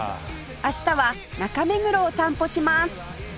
明日は中目黒を散歩します